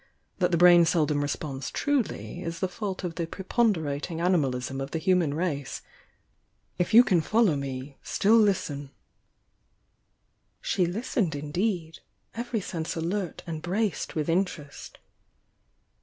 That the brain seldom responds truly, is the fault of the pre ponderating animalism of the human race. If you can follow me, still listen!" She listened indeed, — every sense alert and braced with interest.